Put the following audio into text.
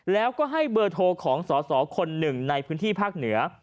แล้วก็ให้เบอร์โทรของสอสอคนหนึ่งในพื้นที่ภาคเหนือ